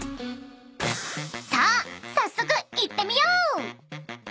［さあ早速行ってみよう！］